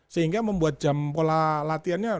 sehingga membuat jam pola latihannya